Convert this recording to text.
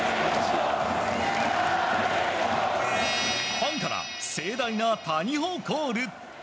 ファンから盛大な谷保コール。